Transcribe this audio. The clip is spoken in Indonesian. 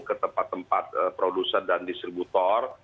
ke tempat tempat produser dan distributor